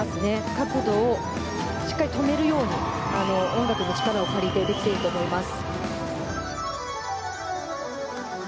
角度をしっかり止めるように音楽の力も借りてできていると思います。